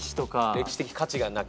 歴史的価値がなければ。